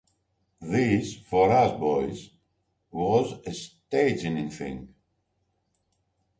This, for us - boys, was a staggering thing.